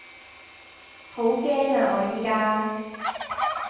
好驚呀我宜家